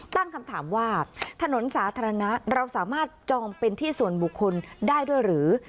ตั้งคำถามว่าถนนสาธารณะเราสามารถจองเป็นที่ส่วนบุคคลได้ด้วยหรือ